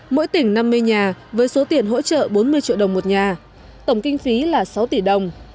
mỗi tỉnh năm mươi nhà với số tiền hỗ trợ bốn mươi triệu đồng một nhà tổng kinh phí là sáu tỷ đồng